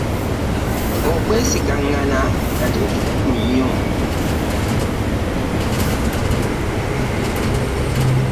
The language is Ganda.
Okwesigaggana nakyo kikulu nnyo.